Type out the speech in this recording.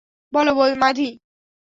বলো, মাধি।